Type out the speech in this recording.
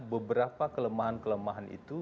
beberapa kelemahan kelemahan itu